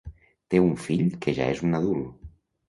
Té un fill que ja és un adult.